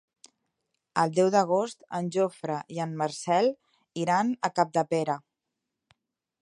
El deu d'agost en Jofre i en Marcel iran a Capdepera.